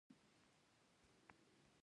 غرونه د افغانستان د طبیعت برخه ده.